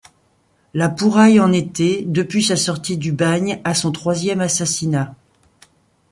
La Pouraille en était, depuis sa sortie du bagne, à son troisième assassinat.